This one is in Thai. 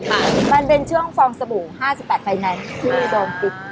มันเป็นช่วงฟองสบู่๕๘ไฟแนนซ์ที่โดนปิด